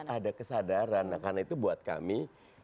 ada kesadaran karena itu buat kami